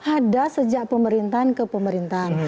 ada sejak pemerintahan ke pemerintahan